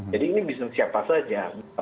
jadi ini bisa siapa saja